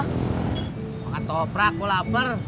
mau makan toprak gue lapar